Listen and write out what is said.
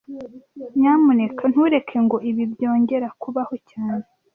Nyamuneka ntureke ngo ibi byongere kubaho cyane